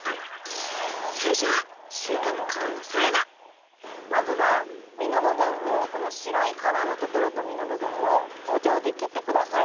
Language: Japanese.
さいしょはまずはみのぶぶんをこのしろい皮のところとみのぶぶんをほうちょうできってください。